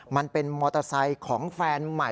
มันมีใครเล่า